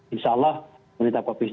insyaallah pemerintah provinsi